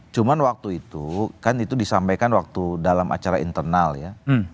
cuma waktu itu kan itu disampaikan waktu dalam acara internal ya